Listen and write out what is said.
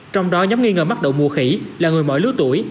trong đó nhóm nghi ngờ mắc đầu mùa khỉ là người mỗi lứa tuổi